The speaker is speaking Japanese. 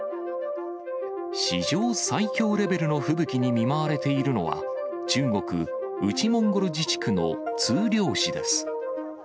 史上最強レベルの吹雪に見舞われているのは、中国・内モンゴル自治区の通遼市です。